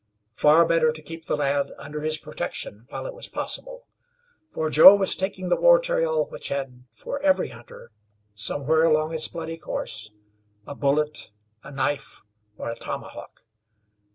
Far better to keep the lad under his protection while it was possible, for Joe was taking that war trail which had for every hunter, somewhere along its bloody course, a bullet, a knife, or a tomahawk.